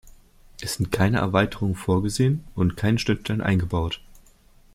Es sind keine Erweiterungen vorgesehen und keine Schnittstellen eingebaut.